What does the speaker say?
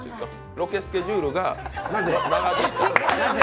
ロケスケジュールが長かった？